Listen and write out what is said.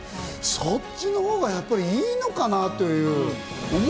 そっちのほうがやっぱいいのかなっていう。